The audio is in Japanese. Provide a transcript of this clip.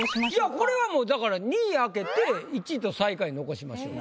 これはもうだから２位開けて１位と最下位残しましょう。